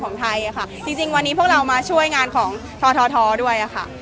ของไทยค่ะจริงจริงวันนี้พวกเรามาช่วยงานของท้อท้อท้อด้วยอ่ะค่ะ